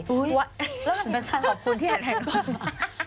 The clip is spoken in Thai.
เฮ้ยแล้วกันเป็นทางขอบคุณที่แห่งวัยมา